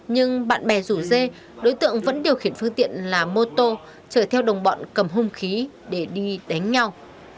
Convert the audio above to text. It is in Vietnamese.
nhưng bạn bè rủ dê đối tượng vẫn điều khiển phương tiện là mô tô chở theo đồng bọn cầm hung khí để đi đánh nhau